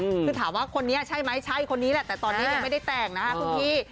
คือถามว่าคนนี้ใช่ไหมใช่คนนี้แหละแต่ตอนนี้ยังไม่ได้แต่งนะคะคุณพี่